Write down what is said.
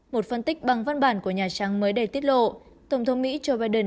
một phân tích bằng văn bản của nhà trắng mới đây tiết lộ tổng thống mỹ joe biden